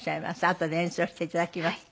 あとで演奏していただきます。